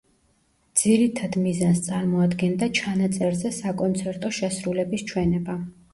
ძირითად მიზანს წარმოადგენდა ჩანაწერზე „საკონცერტო შესრულების“ ჩვენება.